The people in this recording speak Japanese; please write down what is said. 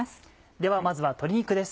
ではまずは鶏肉です。